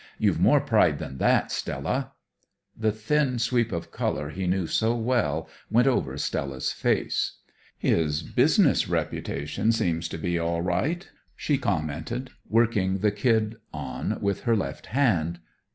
You've more pride than that, Stella." The thin sweep of color he knew so well went over Stella's face. "His business reputation seems to be all right," she commented, working the kid on with her left hand.